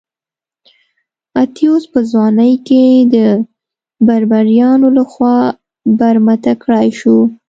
اتیوس په ځوانۍ کې د بربریانو لخوا برمته کړای شو.